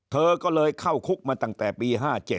เธอก็เลยเข้าคุกมาตั้งแต่ปี๕๗